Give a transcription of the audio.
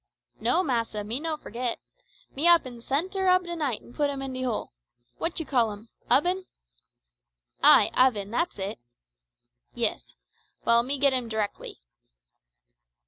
"No, massa, me no forgit. Me up in centre ob de night and put 'im in de hole. Wat you call 'im oben?" "Ay, oven, that's it." "Yis. Well, me git 'im d'rec'ly."